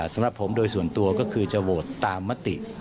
สำหรับผมโดยส่วนตัวก็คือจะโหวตตามมติ